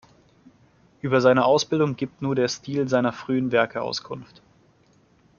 Über seine Ausbildung gibt nur der Stil seiner frühen Werke Auskunft.